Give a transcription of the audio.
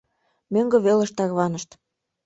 Мӧҥгӧ велыш тарванышт.